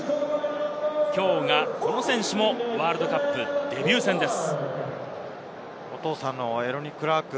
きょうがこの選手もワールドカップデビュー戦です。